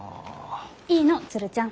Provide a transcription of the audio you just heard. いいの鶴ちゃん。